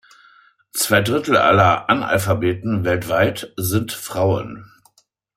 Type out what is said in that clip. Zwei Drittel aller Analphabeten weltweit sind Frauen.